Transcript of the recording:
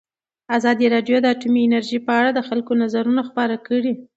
ازادي راډیو د اټومي انرژي په اړه د خلکو نظرونه خپاره کړي.